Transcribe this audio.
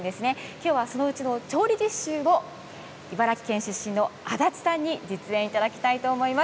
今日は、そのうちの調理実習を茨城県出身の安達さんに実演いただきたいと思います。